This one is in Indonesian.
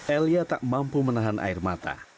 elia tak mampu menahan air mata